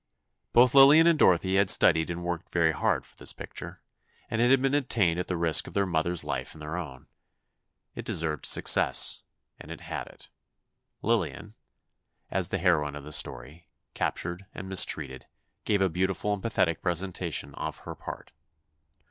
Both Lillian and Dorothy had studied and worked very hard for this picture, and it had been obtained at the risk of their mother's life and their own. It deserved success, and it had it. Lillian, as the heroine of the story, captured and mistreated, gave a beautiful and pathetic presentation of her part.